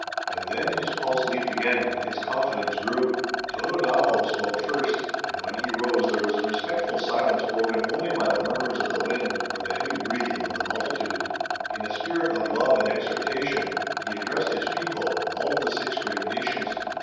And then his pulse leaped again and his confidence grew. Tododaho spoke first, and when he rose there was a respectful silence broken only by the murmurs of the wind or the heavy breathing of the multitude. In a spirit of love and exhortation he addressed his people, all of the six great nations.